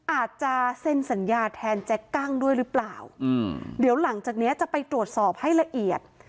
อาจจะเซ็นสัญญาแทนแจ็คกั้งด้วยหรือเปล่าอืมเดี๋ยวหลังจากเนี้ยจะไปตรวจสอบให้ละเอียด